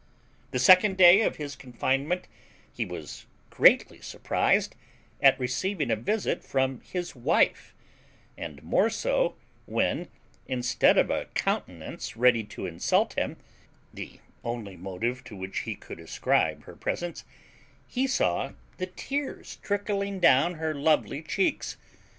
The second day of his confinement he was greatly surprized at receiving a visit from his wife; and more so, when, instead of a countenance ready to insult him, the only motive to which he could ascribe her presence, he saw the tears trickling down her lovely cheeks.